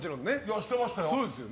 してましたよ。